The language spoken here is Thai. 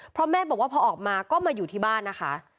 เพราะแม่บอกว่าพอออกมาก็มาอยู่ที่บ้านนะคะ